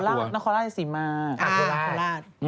โคลาดน้องโคลาดจะสิมมาก